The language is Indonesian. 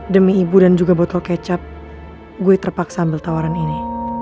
demi ibu dan juga botol kecap gue terpaksa ambil tawaran ini